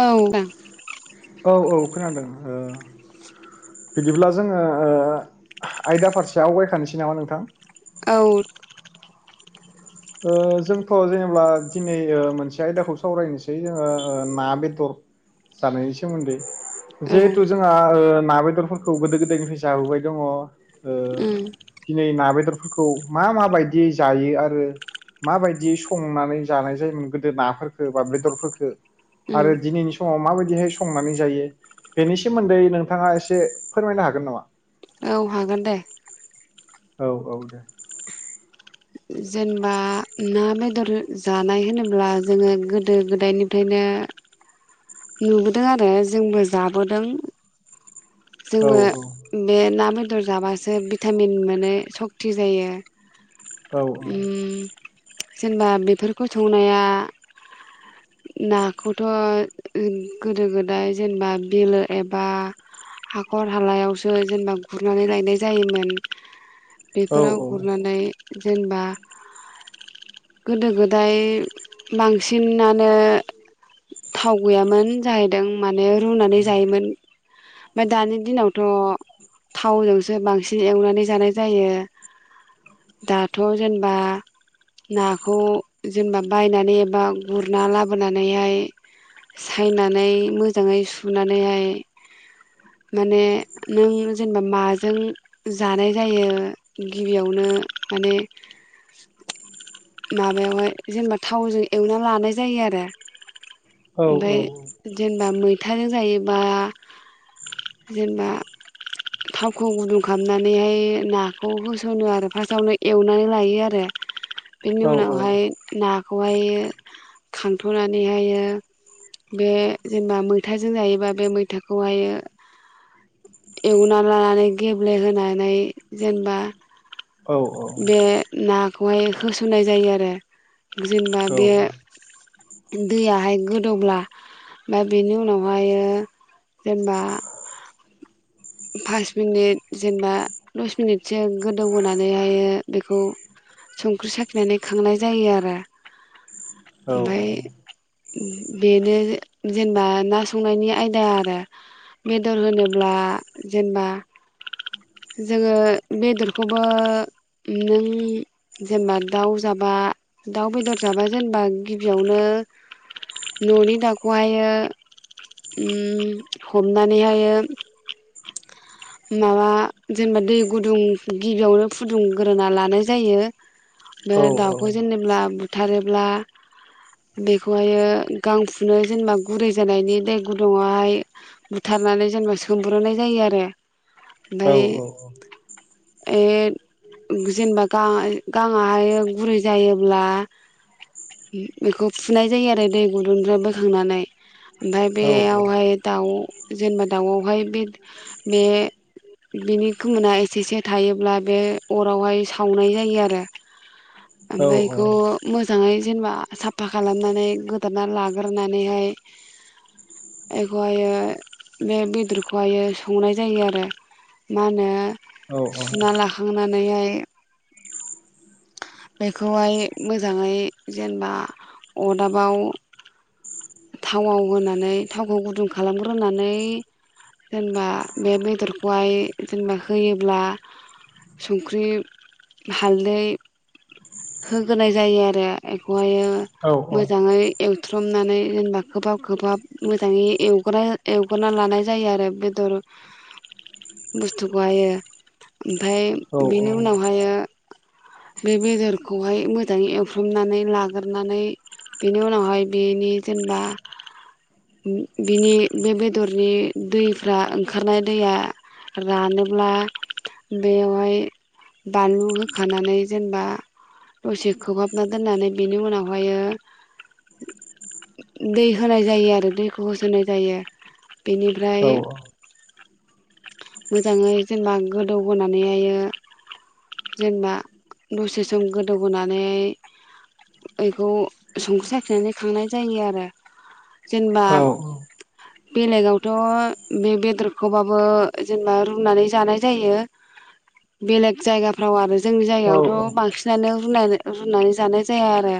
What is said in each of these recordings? औ औ औ खोनादों। ओ बिदिब्ला जोङो ओ आयदा फारसे आवगायखानोसै नामा नोंथां। औ ओ जोंथ जेनेबा दिनै ओ मोनसे आयदाखौ सावरायनोसै जोङो ओ ना बेदर जानायनि सोमोन्दै। उम जिहेथु जोंहा ओ ना बेदरफोरखौ गोदो गोदायनिफ्राय जाबोबाय दङ। ओ दिनै ना बेदर फोरखौ मा माबायदि जायो आरो माबायदि संनानै जानाय जायोमोन गोदो नाफोरफोरखौ बा बेदरफोरखौ उम आरो दिनैनि समाव माबायदिहाय संनानै जायो बेनि सोमोन्दै नोंथाङा एसे फोरमायनो हागोन नामा? औ हागोन दे औ -औ दे जेनेबा ना बेदर जानाय होनोब्ला जोङो गोदो गोदायनिफ्रायनो नुबोदों आरो जोंबो जाबोदों औ जोङो बे ना बेदर जाबासो भिटामिन मोनै सक्ति जायो। औ उम‌। जेनेबा बेफोरखौ संनाया नाखौथ गोदो गोदाय जेनेबा बिलो एबा हाखर हालायावसो जेनेबा गुरनानै लायनाय जायोमोन। औ बेफोराव गुरनानै जेनेबा गोदो गोदाय बांसिनानो थाव गैयामोन जाहैदों। माने रुनानै जायोमोन। ओमफ्राय दानि दिनावथ थावजोंसो बांसिन एवनानै जानाय जायो। दाथ जेनेबा नाखौ जेनेबा बायनानै एबा गुरना लाबोनानैहाय सायनानै मोजाङै सुनानैहाय माने नों जेनेबा माजों जानाय जायो गिबियावनो माने माबायावहाय जेनेबा थावजों एवनानै लानाय जायो आरो। औ ओमफ्राय जेनेबा मै थाजों जायोबा जेनेबा थावखौ गुदुं खालामनानैहाय नाखौ होसनो आरो फार्स्टआवनो एवनानै लायो आरो। बेनि औ उनावहाय ना खौहाय खांथ नानैहायो बे जेनेबा मैथाजों जायोबा बे मैथाखौहायो एवनानै लानानै गेब्लेहोनानै जेनेबा बे ना खौहाय होसनाय जायो आरो। जेनबा बे दैयाहाय गोदौब्ला ओ बेनि उनावहायो जेनेबा फास मिनिट जेनेबा दस मिनिटसो गोदौ होनानैहाय बेखौ स [unintelligible] [unintelligible] नानै खांनाय जायो आरो ओमफ्राय बेनो जेनेबा ना संनायनि आयदा आरो बेदर होनोब्ला जेनेबा जोङो बेदर खौबो नों [unintelligible] दाउ जाबा आ दाउ बेदर जाबा जेनेबा गिबियावनो ननि दाउखौहायो ओम हमनानैहायो माबा जेनेबा दै गुदुं गिबियावनो फुदुंग्रोना लानाय जायो बे दाउखौ जेनेब्ला बु बुथारोब्ला बेखौहायो गां फुनो जेनेबा गुरै जानायनि दै गुदुङावहाय बुथारनानै जेनेबा सोमब्रनाय जायो आरो। औ ओमफ्राय औ औ। ए जेनेबा गा गांआहाय गुरै जायोब्ला बेखौ फुनाय जायो आरो दै गुदुंनिफ्राय बोखांनानै। ओमफ्राय बेयावहाय दाउ जेनबा दाउआवहाय बे बे बिनि खोमोना एसे एसे थायोब्ला बे अरावहाय सावनाय जायो आरो। ओमफाय बेखौ मोजाङै जेनेबा साफा खालाम। नानै गोदोरनानै लाग्रोनानैहाय। बेखौहायो बे बेदरखौहायो। संनाय जायो आरो मा होनो सुना लाखांनानैहाय। बेखौहाय मोजाङै जेनेबा अदाबाव थावाव होनानै थावखौ गुदुं खालाम। खालामग्रोनानै जेनेबा बे बेदरखौहाय जेनेबा होयोब्ला संख्रि हालदै होगोनाय जायो आरो। बेह मोजाङै ए बुथ्रमनानै जेनेबा खोबहाब खोबहाब मोजाङै एवग्रो एवग्रा लानाय जायो आरो बेदर बुस्थुखौहायो। ओमफफ्राय बिनि उनावहायो। बे-बे जर खौहाय मोजाङै एवफ्रमनानै लागोरनानै बेनि उनावहाय बेनि जेनेबा बिनि बे बेदरनि दैफ्रा ओंखारनाय दैया रानोब्ला बेयावहाय बानलु होखानानै जेनेबा दसे खोबहाबना दोननानै बेनि उनावहायो दै होनाय जायो आरो दैखौ होसनाय जायो बेनिफ्राय मोजाङै जेनेबा गोदौहोनानैहायो जेनेबा दसे सम गोदौहोनानै एखौ संख्रि साखिनानै खांनाय जायो आरो जेनेबा औ औ बेलेगावथ बे बेदरखौबाबो जेनेबा रुनानै जानाय जायो बेलेग जायगाफ्राव आरो जोंनि जायगायावथ' बांसिनानो रुनानै रुनानै जानाय जाया आरो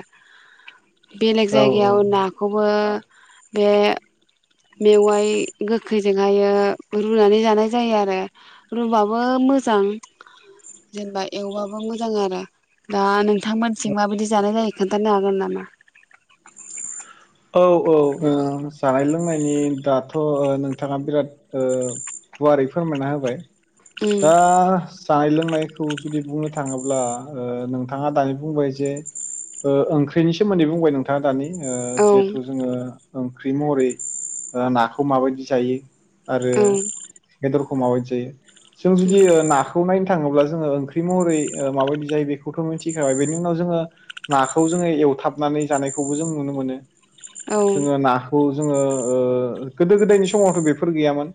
बेलेग जायगायाव नाखौबो। बे। मेवाइ गोखैजोंहायो रुनानै जानाय जायो आरो रुबाबो मोजां जेनेबा एवबाबो मोजां आरो दा नोंथांमोनसिं माबायदि जानाय जायो खोनथानो हागोन नामा? औ औ ओ जानाय लोंनायनि दाथ नोंथाङा बिराद ओ गुवारै फोरमायना होबाय। उम दा सायलो। नायखौ जुदि बुंनो थाङोब्ला ओ नोंथाङा दानि बुंबाय जे ओ ओंख्रिनि सोमोन्दै बुंबाय नोंथाङा दानि ओ औ जिहेथु जोङो ओं ओंख्रि महरै ओ नाखौ माबायदि जायो? आरो औ बेदर खमाबाय जायो। जों जुदि उम ओ नाखौनायनि- थाङोब्ला जोङो ओंख्रि महरै ओ माबायदि जायो बेखौथ मिथिखाबाय बेनि उनाव जोङो नाखौ जोङो एवथाबनानै जानायखौबो जों नुनो मोनो। औ जोंङो नाखौ जोङो ओ गोदो गोदायनि समावथ बेफोर गैयामोन।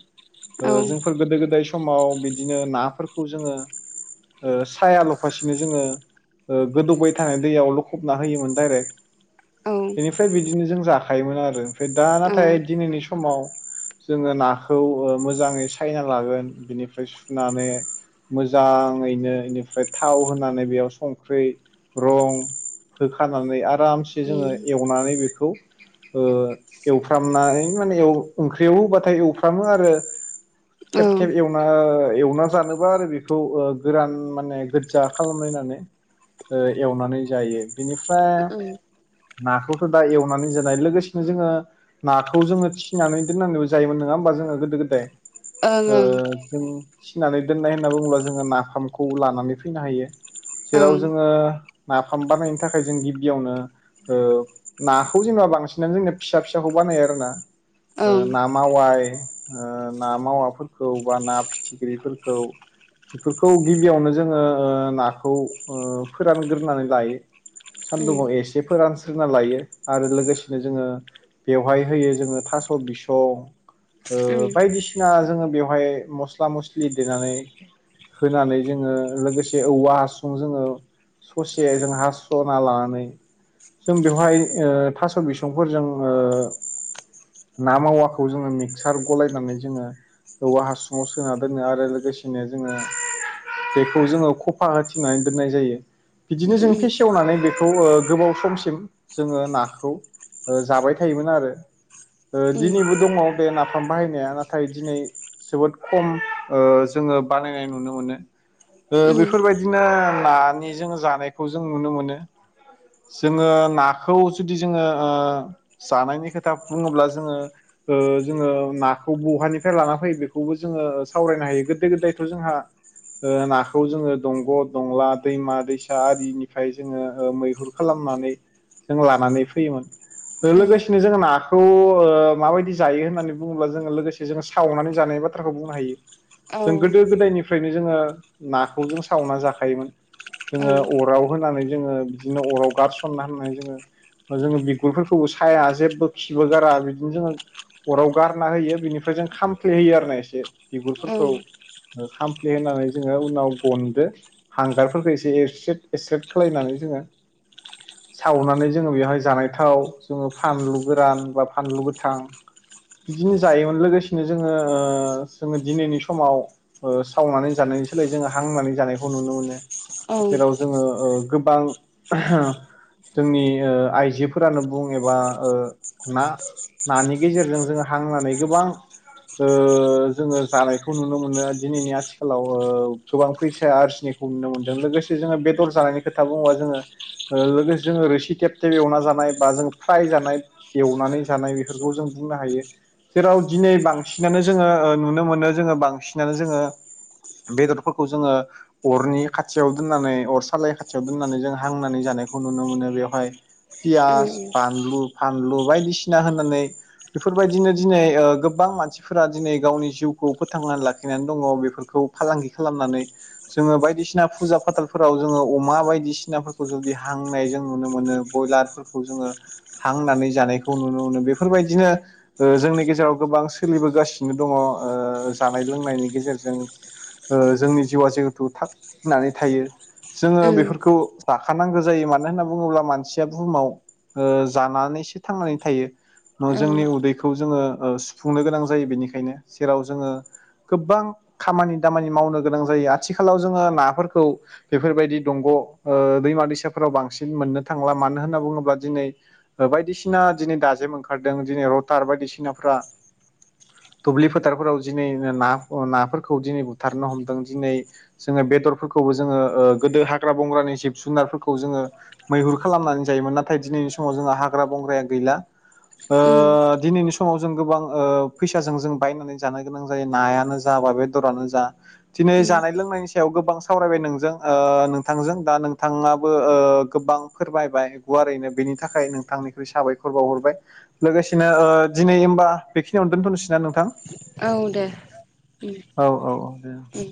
औ ओ जोंफोर गोदो गोदाय। समाव बिदिनो नाफोरखौ जोङो ओ साया लफासिनो जोङो गोदौबाय थानाय दैयाव लखबना होयोमोन डाइरेक्ट औ बेनि बिदिनो जों जाखायोमोन आरो दा औ नाथाय दिनैनि सो समाव जोङो नाखौ ओ मोजाङै सायना लागोन बेनिफ्राय सुनानै मोजाङैनो इनिफ्राय थाव होनानै बेयाव संख्रि रं होखानानै आर आरामसे जोङो उम एव ओमफाय बेखौ ओ एवफ्रामनानै माने औ ओंख्रियाव होबाथाय एवफ्रामो आरो औ थेब थेब एवना ओ एवना जानोब्ला आरो बेखौ ओ गोरान माने गोजा खालामलायनानै ओ एवनानै जायो। बेनिफ्राय। नाखौथ दा एवनानै जानाय लोगोसेनो जोङो नाखौ जोङो थिनानै दोननानैबो जायोमोन नङा होमबा जोङो गोदो गोदाय ओ उम जों फिनानै दोननाय होनना बुङोब्ला जोङो नाफामखौ लानानै फैनो हायो। जेराव जोङो। नाफाम बानायनायनो थाखाय जों गिबियावनो। ओ नाखौ जेनबा बांसिनानो जोंना फिसा फिसाखौ बानायो आरो ना। ओं ओ ओं ना मावाय ओ ना मावाफोरखौ बा ना फिथिख्रिफोरखौ बेफोरखौ गिबियावनो जोङो ओ नाखौ ओ फोरानग्रोनानै लायो। ओं सानदुङाव एस लानस्रोना लायो आरो लोगोसेनो जोङो बेवहाय होयो जोङो थास बिसं ओं ओ उम बायदिसिना जोङो बेवहाय मस्ला मस्लि देनानै होनानै जोङो लोगोसे औवा हासुुं जोङो ससे जों हासना लानानै जों बेवहाय ओ थास बिसंफोरजों ओ ना मावाखौ जोङो मिक्सार गलायनानै जोङो औवा हासुंआव सोना दोनो आरो लोगोसेनो जोङो बेखौ जोङो खफा होथिना दोन्नाय जायो बिदिनो उम जों फेसेवनानै बेखौ ओ गोबाव समसिम जोङो नाखौ जाबाय थायोमोन आरो। ओ उम दिनैबो दङ बे ना खाम बाहायनाया नाथाय दिनै जोबोद खम ओ जोङो बानायनाय नुनो मोनो। ओ उम बेफोरबायदिनो आ जों जानायखौ जों नुनो मोनो। जोङो नाखौ जुदि जोङो ओ जानायनि खोथा बुङोब्ला जोङो ओ जोङो नाखौ बहानिफ्राय लाना फैयो बेखौबो जोङो सावरायनो हायो गोदो गोदायथ' जोंहा ओ नाखौ जोङो दंग' दंला दैमा दैसा आरिनिफ्राय जोङो ओ मैहुर खालामनानै जों लानानै फैयोमोन। उम लोगोसेनो जोंना खौ ओ माबायदि जायो होननानै बुङोब्ला जोङो लोगोसे जोङो सावनानै जानायनि बाथ्राखौ बुंनो हायो औ जों गोदो गोदायनिफ्रायनो जोङो नाखौ जों सावनानै जाखायोमोन। औ जोङो अराव होनानै जोङो बिदिनो अराव। गारसना होन्नाय जोङो जोङो बिगुरफोरखौबो साया जेबो खिबो गारा बिदिनो जोङो अराव गारना होयो बिनिफ्राय जों खामफ्ले होयो आरो ना एसे उम बिगुरफोरखौ ओ खामफ्ले होनानै जोङो उनाव गनदो हांगारफोरखौ एसे एरस्रेट एरस्रेट खालायनानै जोङो। सावनानै जोङो बेवहाय जानायथाव जोङो फानलु गोरान बा फानलु गोथां बिदिनो जायोमोन लोगोसेनो जोङो ओ जोङो दिनैनि समाव सावनानै जानायनि सोलाय जोङो हांनानै जानायखौ नुनो मोनो। जेराव जोङो ओ। गोबां। जोंनि ओ आइजोफोरानो बुं एबा ओ ना नानि गेजेरजों जोङो हांनानै गोबां ओ जोङो जानायखौ नुनो मोनो दिनैनि आथिखालाव ओ गोबां फैसाया आरजिनायखौ नुनो मोनदों लोगोसे जोङो बेदर जानायनि खोथा बुङोबा जोङो। ओ लोगोसे जोङो रोसि थेब थेब एवना जानाय बा जों फ्राय जानाय एवनानै जानाय बेफोरखौ जों बुंनो हायो जेराव दिनै बांसिनानो जोङो नुनो मोनो जोङो बांसिनानो जोङो बेदरफोरखौ जोङो अरनि खाथियाव दोननानै अर सालाय खाथियाव दोननानै जोंङो हांनानै जानायखौ नुनो मोनो बेवहाय। फियाज, बानलु फानलु बायदिसिना होनानै बेफोरबायदिनो दिनै ओ गोबां मानसिफोरा दिनै गावनि जिउखौ फोथांनानै लाखिनानै दङ बेफोरखौ फालांगि खालामनानै जोङो बायदिसिना फुजा फाथालफोराव जोङो अमा बायदिसिना फो खौ जुदि हांनाय जों नुनो मोनो बयलारफोरखौ जोङो हांनानै जानायखौ नुनो मोनो बेफोरबायदिनो ओ जोंनि गेजेराव गोबां सोलिबोगासिनो दङ ओ जानाय लोंनायनि गेजेरजों ओ जोंनि जिउआ जिहेथु थाबनानै थायो। जोङो बेफोरखौ जाखानांगौ जायो मानो होनना बुङोब्ला मानसिया बुहुमाव ओ जानानैसो थांनानै थायो औ जोंनि उदैखौ जोङो ओ सुफुंनो गोनां जायो बेनिखायनो जेराव जोङो गोबां खामानि दामानि मावनो गोनां जायो आथिखालाव जोङो नाफोरखौ बेफोरबायदि दंग ओ दैमा-दैसाफोराव बांसिन मोननो थांला। मानो होनना बुङोब्ला दिनै बायदिसिना दिनै दाजेम ओंखारदों दिनै रथार बायदिसिनाफ्रा दुब्लि-फोथारफोराव दिनै ना- नाफोरखौ दिनै बुथारनो हमदों दिनै जोङो बेदरफोरखौबो जोङो गोदो हाग्रा बंग्रानि जिब-जुनारफोरखौ जोङो मैहुर खालामनानै जायोमोन नाथाय दिनैनि समाव जोंहा हाग्रा बंग्राया गैला। उम ओ दिनैनि सम समाव जों गोबां ओ फैसाजों जों बायनानै जानो गोनां जायो नायानो जा बा बेदरानो जा, दिनै उम जानाय लोंनायनि सायाव गोबां सावरायबाय नोंजों ओ नोंथांजों दा नोंथां नोंथाङाबो ओ गोबां फोरमायबाय गुवारैनो बेनि थाखाय नोंथांनिख्रुइ साबायखर बावहरबाय लोगोसेनो ओ दिनै होमबा बेखिनियावनो दोन्थनोसै ना नोंथां? औ दे उम औ औ औ दे उम